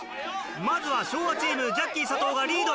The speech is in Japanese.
まずは昭和チームジャッキー佐藤がリード。